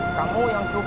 kamu yang cukup